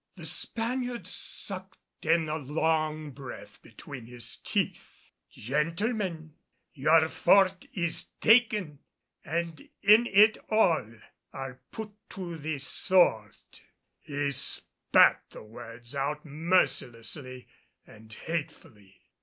The Spaniard sucked in a long breath between his teeth. "Gentlemen, your fort is taken and in it all are put to the sword." He spat the words out mercilessly and hatefully.